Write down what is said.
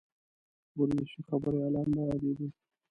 ورزشي خبریالان به یادېدوو.